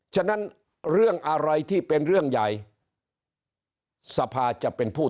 ฉะนั้นเรื่องอะไรที่เป็นเรื่องใหญ่สภาจะเป็นผู้